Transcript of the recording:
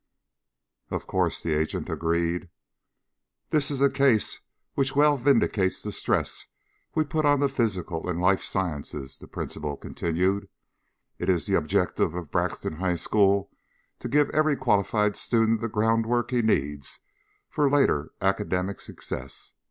"Of course," the agent agreed. "This is a case which well vindicates the stress we've put on the physical and life sciences," the principal continued. "It is the objective of Braxton High School to give every qualified student the groundwork he needs for later academic success.